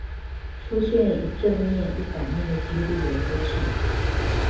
出現一正面一反面的機率為多少？